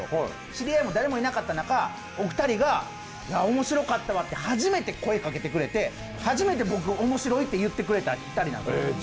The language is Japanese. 知り合いも誰もいなかった中、お二人が面白かったわって初めて声かけてくれて、初めて僕を面白いって言ってくれた２人なんです。